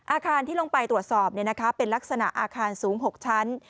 อาคารที่ลงไปตรวจสอบเป็นลักษณะอาคารสูง๖ชั้น